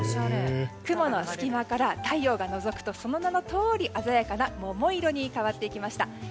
雲の隙間から太陽がのぞくとその名のとおり鮮やかな桃色に変わってきました。